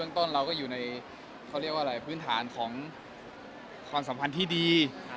แล้วก็เราก็อยู่ในเพื่อนฐานความสัมพันธ์ที่ดี